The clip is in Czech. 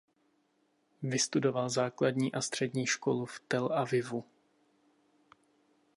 Vystudoval základní a střední školu v Tel Avivu.